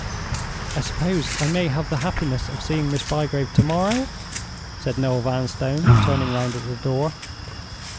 "I suppose I may have the happiness of seeing Miss Bygrave to morrow?" said Noel Vanstone, turning round at the door.